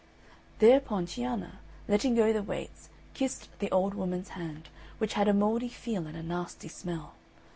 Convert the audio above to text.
Thereupon Cianna, letting go the weights, kissed the old woman's hand, which had a mouldy feel and a nasty smell.